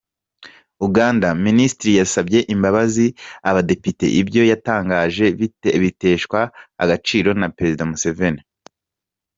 Uganda: Minisitiri yasabye imbabazi abadepite, ibyo yatangaje biteshwa agaciro na Perezida Museveni.